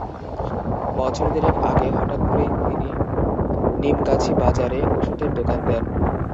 বছর দেড়েক আগে হঠাৎ করেই তিনি নিমগাছি বাজারে ওষুধের দোকান দেন।